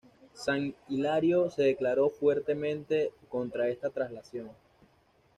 San Hilario se declaró fuertemente contra esta traslación.